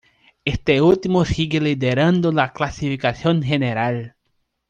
Este último sigue liderando la clasificación general.